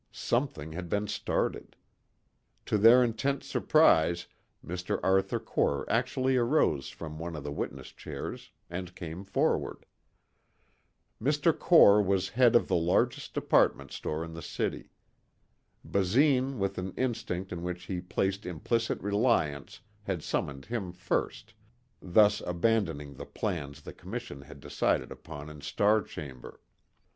Something had been started. To their intense surprise Mr. Arthur Core actually arose from one of the witness chairs and came forward. Mr. Core was head of the largest department store in the city. Basine with an instinct in which he placed implicit reliance had summoned him first, thus abandoning the plans the commission had decided upon in star chamber.